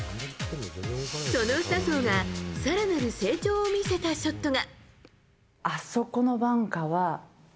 その笹生が更なる成長を見せたショットが。